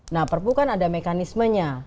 nah perpu kan ada mekanismenya